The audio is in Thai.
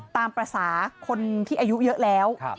ตามภาษาคนที่อายุเยอะแล้ว